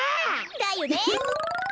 だよね。